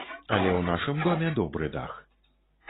Але ў нашым доме добры дах.